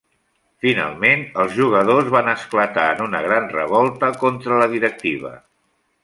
Finalment, els jugadors van esclatar en una gran revolta contra la directiva.